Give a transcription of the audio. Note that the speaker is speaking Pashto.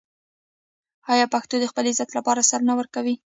آیا پښتون د خپل عزت لپاره سر نه ورکوي؟